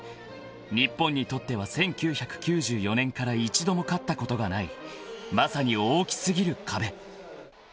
［日本にとっては１９９４年から一度も勝ったことがないまさに大き過ぎる壁］